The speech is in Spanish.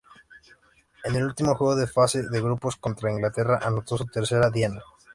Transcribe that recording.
En el último juego de fase de grupos contra Inglaterra, anotó su tercera diana.